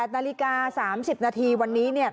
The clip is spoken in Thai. นาฬิกา๓๐นาทีวันนี้เนี่ย